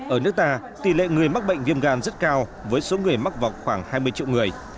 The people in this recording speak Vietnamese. ở nước ta tỷ lệ người mắc bệnh viêm gan rất cao với số người mắc vào khoảng hai mươi triệu người